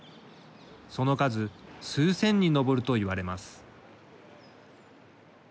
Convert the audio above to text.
その数、数千に上るといわれます。